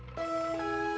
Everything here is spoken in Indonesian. mau dianggil sekalian